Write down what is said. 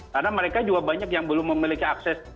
karena mereka juga banyak yang belum memiliki akses